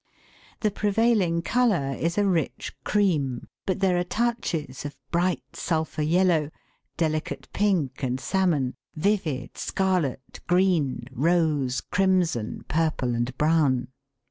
The prevailing colour is a rich cream, but there are touches of bright sulphur yellow, delicate pink and salmon, vivid scarlet, green, rose, crimson, purple, and brown.